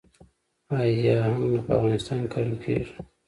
آیا هنګ په افغانستان کې کرل کیږي؟